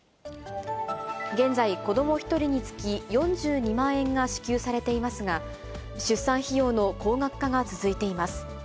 現在、子ども１人につき４２万円が支給されていますが、出産費用の高額化が続いています。